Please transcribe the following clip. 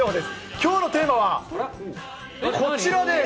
きょうのテーマは、こちらです。